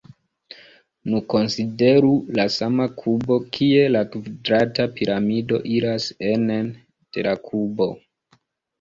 Nun konsideru la sama kubo kie la kvadrata piramido iras enen de la kubo.